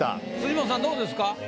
辻元さんどうですか？